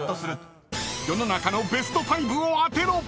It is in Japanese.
［世の中のベスト５を当てろ！］